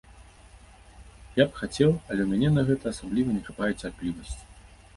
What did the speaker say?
Я б хацеў, але ў мяне на гэта асабліва не хапае цярплівасці.